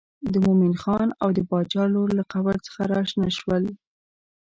د مومن خان او د باچا لور له قبر څخه راشنه شول.